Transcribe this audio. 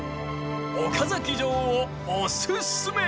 岡崎城をおすすめ！